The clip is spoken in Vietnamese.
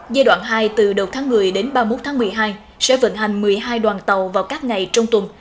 giai đoạn hai từ đầu tháng một mươi đến ba mươi một tháng một mươi hai sẽ vận hành một mươi hai đoàn tàu vào các ngày trong tuần